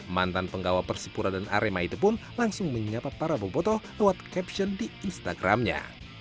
mantan penggawa persipura dan arema itu pun langsung menyapa para bobotoh lewat caption di instagramnya